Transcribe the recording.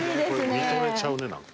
見とれちゃうねなんか。